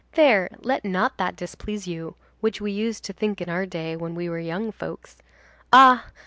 There, let not that displease you which we used to think in our day, when we were young folks. Ah!